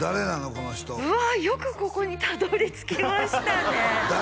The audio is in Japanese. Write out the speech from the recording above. この人うわよくここにたどり着きましたね誰？